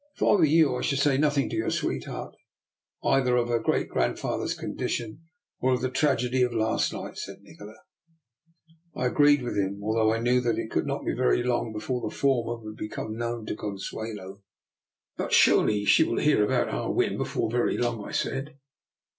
" If I were you, I should say nothing to your sweetheart either of her great grandfa ther's condition or of the tragedy of last night," said Nikola. I agreed with him, although I knew that it could not be very long before the former would become known to Consuelo. " But surely she will hear about Ah Win before very long? '* I said.